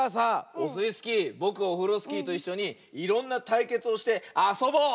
オスイスキーぼくオフロスキーといっしょにいろんなたいけつをしてあそぼう！